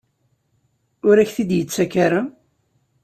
Ur ak-t-id-yettak ara?